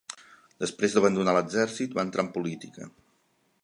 Després d'abandonar l'exèrcit, va entrar en política.